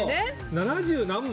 七十何枚？